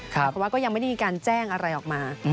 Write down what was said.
แต่ว่าก็ยังไม่ได้มีการแจ้งอะไรออกมา